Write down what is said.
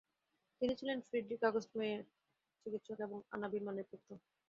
তিনি ছিলেন Friedrich August মেয়ের, চিকিৎসক, এবং আনা বীরমানের পুত্র।